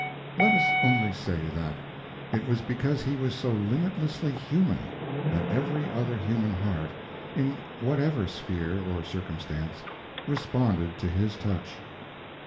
Let us only say that it was because he was so limitlessly human that every other human heart, in whatever sphere or circumstance, responded to his touch.